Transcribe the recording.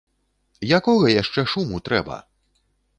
Якога яшчэ шуму трэба?